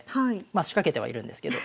まあ仕掛けてはいるんですけど。